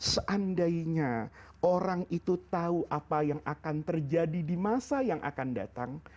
seandainya orang itu tahu apa yang akan terjadi di masa yang akan datang